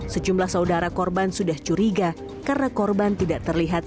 sejumlah saudara korban sudah curiga karena korban tidak terlihat